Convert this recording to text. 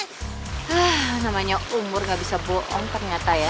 hah namanya umur gak bisa bohong ternyata ya